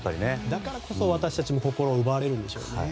だからこそ私たちも心を奪われるんでしょうね。